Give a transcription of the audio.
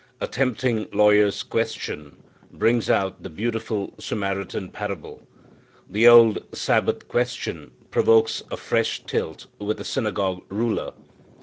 A tempting lawyer's question brings out the beautiful Samaritan parable. The old Sabbath question provokes a fresh tilt with a synagogue ruler.